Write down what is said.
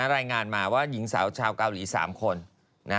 รายงานมาว่าหญิงสาวชาวเกาหลี๓คน